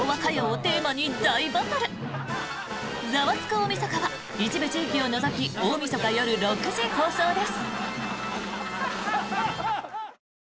大晦日」は一部地域を除き大みそか夜６時放送です。